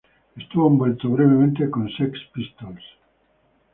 Estuvo envuelto brevemente con Sex Pistols.